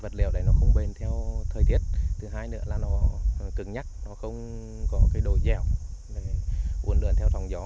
sau thời tiết thứ hai nữa là nó cứng nhắc nó không có cái đổi dẻo uốn lượn theo dòng gió